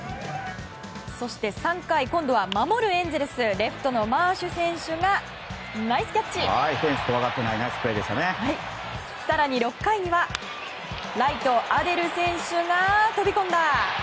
そして３回今度は守るエンゼルスレフトのマーシュ選手がフェンスを怖がらないそして６回にはライト、アデル選手が飛び込んだ。